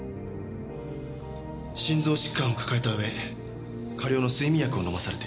心臓疾患を抱えた上過量の睡眠薬を飲まされていた。